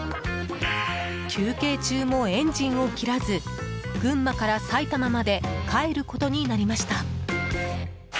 休憩中もエンジンを切らず群馬から埼玉まで帰ることになりました。